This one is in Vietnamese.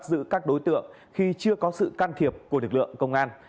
giữ các đối tượng khi chưa có sự can thiệp của lực lượng công an